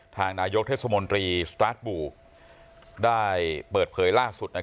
ทางนายกเทศมนตรีสตาร์ทบูได้เปิดเผยล่าสุด